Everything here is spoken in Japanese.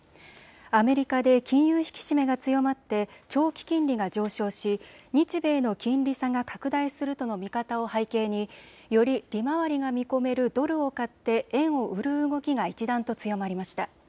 アメリカで金融引き締めが強まって長期金利が上昇し日米の金利差が拡大するとの見方を背景により利回りが見込めるドルを買って円を売る動きが一段と強まりました。